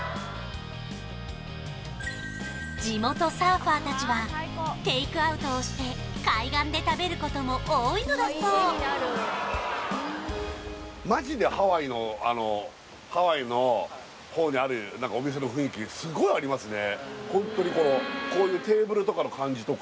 地元サーファーたちはテイクアウトをして海岸で食べることも多いのだそうマジでハワイのあのすごいありますね